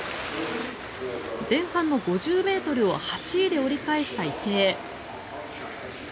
前半の５０ｍを８位で折り返した池江。